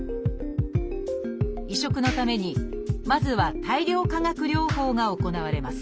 移植のためにまずは「大量化学療法」が行われます。